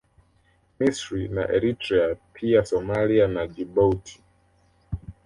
Misri na Eritrea pia Somalia na Djibouti